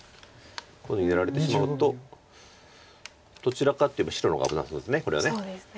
こういうふうにやられてしまうとどちらかっていえば白の方が危なそうですこれは。